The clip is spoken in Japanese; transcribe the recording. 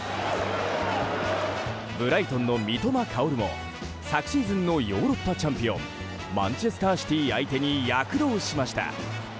ブライトン三笘薫も昨シーズンのヨーロッパチャンピオンマンチェスター・シティ相手に躍動しました。